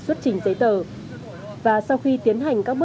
anh đi vào đây cho em